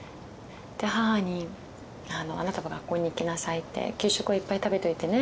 で母に「あなたは学校に行きなさい」って。「給食はいっぱい食べておいてね」